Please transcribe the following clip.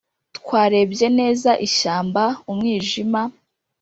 twarebye neza, ishyamba, umwijima